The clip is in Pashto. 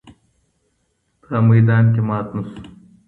په میدان کي مات نه سو